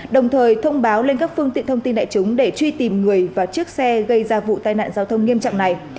đồng thời thông báo lên các phương tiện thông tin đại chúng để truy tìm người và chiếc xe gây ra vụ tai nạn giao thông nghiêm trọng này